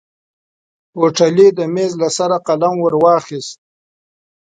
هوټلي د ميز له سره قلم ور واخيست.